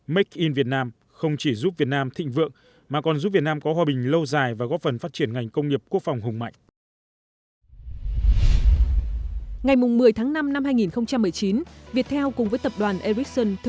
make in việt nam không chỉ giúp việt nam thịnh vượng mà còn giúp việt nam có hòa bình lâu dài và góp phần phát triển ngành công nghiệp quốc phòng hùng mạnh